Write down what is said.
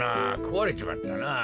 こわれちまったなぁ。